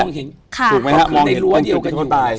เขาคือในรั้วเดียวกันอยู่